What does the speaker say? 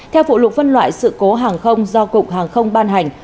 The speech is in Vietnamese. theo phụ lục phân loại sự cố hàng không do cục hàng không ban hành